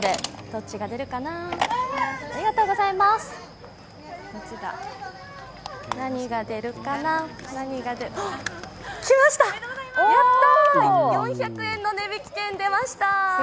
何が出るかな、何が出るかなきました、やった４００円の値引き券出ました！